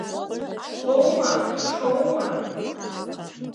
Хәлоума-шоума?